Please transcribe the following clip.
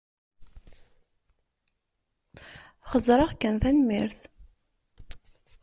Xeẓẓreɣ kan, tanemmirt.